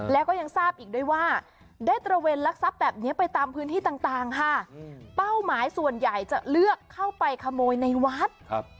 แล้วก็ยังทราบอีกด้วยว่าได้ตระเวนลักทรัพย์แบบนี้ไปตามพื้นที่ต่างค่ะเป้าหมายส่วนใหญ่จะเลือกเข้าไปขโมยในวัด